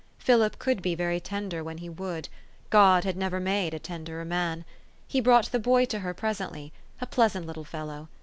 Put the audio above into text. Philip could be very tender when he would ; God had never made a tenderer man. He brought the boy to her presently, a pleasant little fellow.